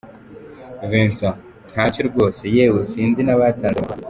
Vincent : Ntacyo rwose, yewe sinzi n’abatanze ayo makuru.